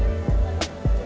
warga yang tinggal di sini